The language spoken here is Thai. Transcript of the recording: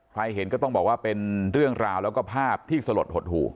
เห็นก็ต้องบอกว่าเป็นเรื่องราวแล้วก็ภาพที่สลดหดหู่